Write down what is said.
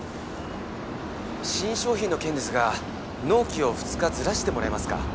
新商品の件ですが納期を２日ずらしてもらえますか？